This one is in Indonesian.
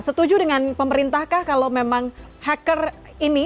setuju dengan pemerintah kah kalau memang hacker ini